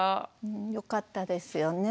よかったですよね。